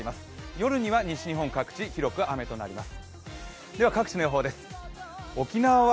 夜には西日本各地、広く雨となります。